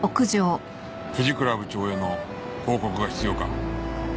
藤倉部長への報告が必要か？